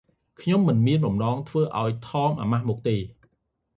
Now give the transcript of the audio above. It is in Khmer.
ខ្ញុំមិនមានបំណង ធ្វើឱ្យ ថមអាម៉ាស់មុខទេ។